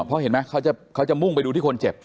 เพราะเขาจะมุ่งไปดูคนเจ็บ